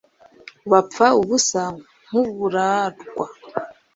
bapfa ubusa nk'uburarwa